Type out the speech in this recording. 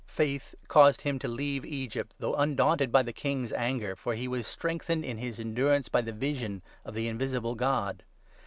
Faith caused him to leave 27 Egypt, though undaunted by the King's anger, for he was . strengthened in his endurance by the vision of the invisible God.